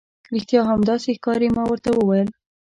رښتیا هم، داسې ښکاري. ما ورته وویل.